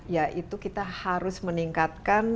yaitu kita harus meningkatkan